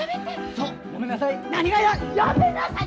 そうやめなさい。